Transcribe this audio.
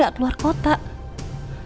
dia gak keluar kotanya